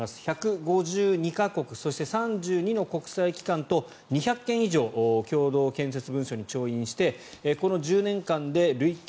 １５２か国そして、３２の国際機関と２００件以上共同建設文書に調印してこの１０年間で累計